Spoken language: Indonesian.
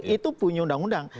itu bunyi undang undang